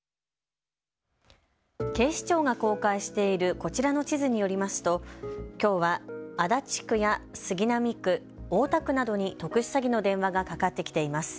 警視庁が公開しているこちらの地図によりますときょうは足立区や杉並区、大田区などに特殊詐欺の電話がかかってきています。